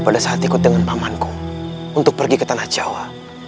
pada saat ikut dengan pamanku untuk pergi ke tanah jawa